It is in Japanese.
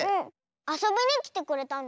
あそびにきてくれたの？